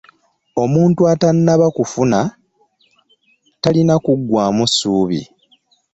Omuntu atanaba kufuna talina kugwaamu suubi.